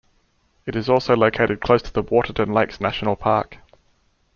It is also located close to the Waterton Lakes National Park.